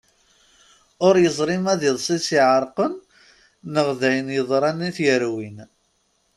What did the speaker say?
Ur yeẓri ma d iḍes i as-iɛerqen neɣ d ayen yeḍran i t-yerwin.